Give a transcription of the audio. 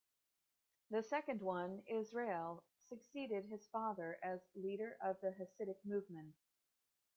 The second one, Israel, succeeded his father as leader of the Hasidic movement.